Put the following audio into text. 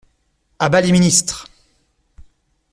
A bas les ministres!